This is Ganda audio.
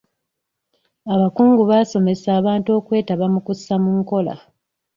Abakungu baasomesa abantu okwetaba mu kussa mu nkola.